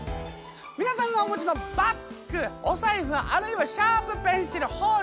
皆さんがお持ちのバッグお財布あるいはシャープペンシル包丁。